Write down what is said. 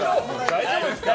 大丈夫ですか？